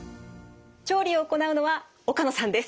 調理を行うのは岡野さんです。